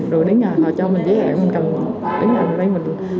rồi đến nhà họ cho mình giấy hẹn mình cầm đến nhà mình lấy mình